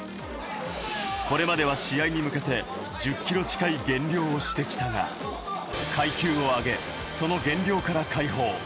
これまでは試合に向けて１０ｋｇ近い減量をしてきたが、階級を上げ、その減量から解放。